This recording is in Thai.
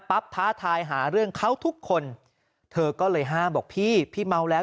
ท้าทายหาเรื่องเขาทุกคนเธอก็เลยห้ามบอกพี่พี่เมาแล้ว